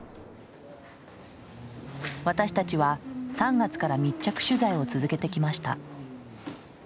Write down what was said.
私たちは３月から密着取材を続けてきました。